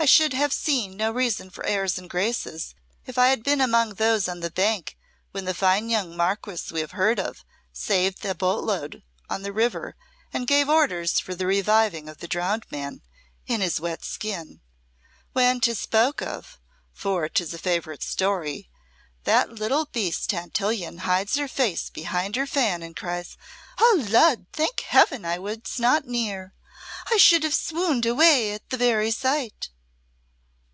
I should have seen no reason for airs and graces if I had been among those on the bank when the fine young Marquess we heard of saved the boat load on the river and gave orders for the reviving of the drowned man in his wet skin. When 'tis spoke of for 'tis a favourite story that little beast Tantillion hides her face behind her fan and cries, 'Oh, Lud! thank Heaven I was not near. I should have swooned away at the very sight.'"